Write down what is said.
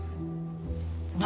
何？